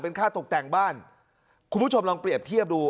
ค่าตกแต่งบ้านคุณผู้ชมลองเปรียบเทียบดู